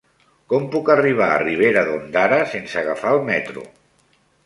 Com puc arribar a Ribera d'Ondara sense agafar el metro?